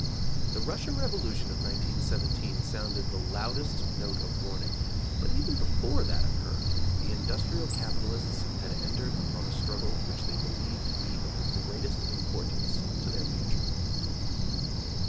The Russian Revolution of 1917 sounded the loudest note of warning, but even before that occurred, the industrial capitalists had entered upon a struggle which they believed to be of the greatest importance to their future.